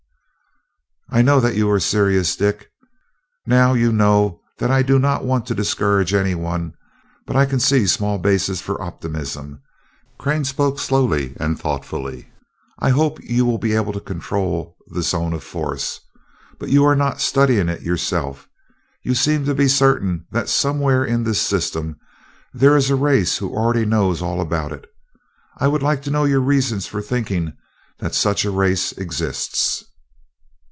"I know that you are serious, Dick. Now you know that I do not want to discourage any one, but I can see small basis for optimism," Crane spoke slowly and thoughtfully. "I hope that you will be able to control the zone of force but you are not studying it yourself. You seem to be certain that somewhere in this system there is a race who already knows all about it. I would like to know your reasons for thinking that such a race exists."